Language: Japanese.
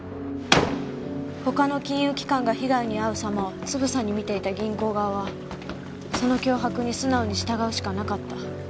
他の金融機関が被害に遭う様をつぶさに見ていた銀行側はその脅迫に素直に従うしかなかった。